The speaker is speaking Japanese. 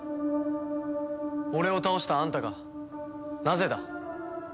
俺を倒したあんたがなぜだ？